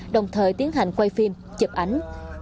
đồng thời tiến hành quay phim chụp ảnh